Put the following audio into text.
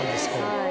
はい。